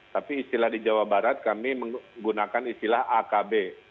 tapi istilah di jawa barat kami menggunakan istilah akb